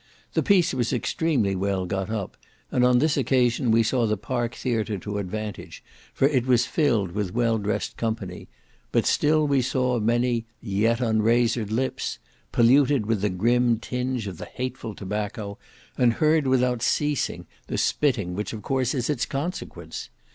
The piece was extremely well got up, and on this occasion we saw the Park Theatre to advantage, for it was filled with well dressed company; but still we saw many "yet unrazored lips" polluted with the grim tinge of the hateful tobacco, and heard, without ceasing, the spitting, which of course is its consequence.